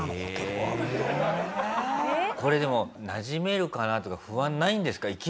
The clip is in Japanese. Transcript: これでもなじめるかな？とか不安ないんですか？